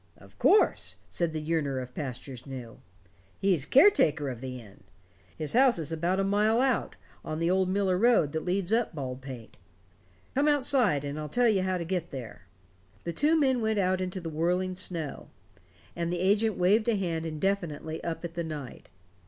"Of course," said the yearner for pastures new, "he's caretaker of the inn. His house is about a mile out, on the old Miller Road that leads up Baldpate. Come outside and I'll tell you how to get there." The two men went out into the whirling snow, and the agent waved a hand indefinitely up at the night.